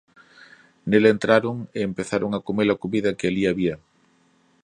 Nela entraron e empezaron a comer a comida que alí había.